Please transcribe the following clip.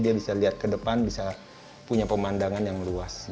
dia bisa lihat ke depan bisa punya pemandangan yang luas